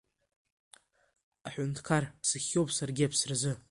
Аҳәынҭқар, сыхиоуп саргьы аԥсразы.